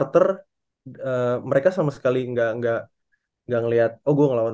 peringkat empat lawan lima